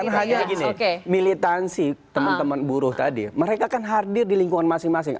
bukan hanya gini militansi teman teman buruh tadi mereka kan hadir di lingkungan masing masing